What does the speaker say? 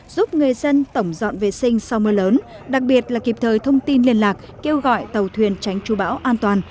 giúp người dân tổng dọn vệ sinh sau mưa lớn đặc biệt là kịp thời thông tin liên lạc kêu gọi tàu thuyền tránh trụ bão an toàn